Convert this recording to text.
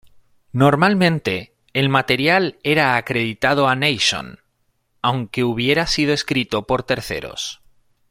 Normalmente, el material era acreditado a Nation, aunque hubiera sido escrito por terceros.